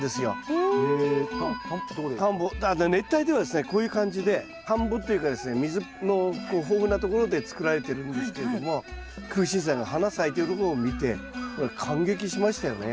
熱帯ではですねこういう感じで田んぼっていうかですね水のこう豊富なところで作られてるんですけれどもクウシンサイの花咲いてるところを見て感激しましたよね。